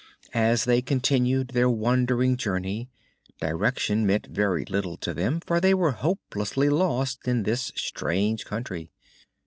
As they continued their wandering journey, direction meant very little to them, for they were hopelessly lost in this strange country.